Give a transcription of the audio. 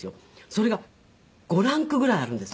それが５ランクぐらいあるんですよ。